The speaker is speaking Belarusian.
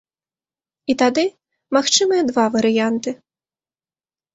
І тады магчымыя два варыянты.